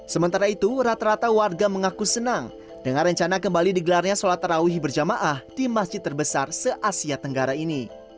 sementara itu rata rata warga mengaku senang dengan rencana kembali digelarnya sholat tarawih berjamaah di masjid terbesar se asia tenggara ini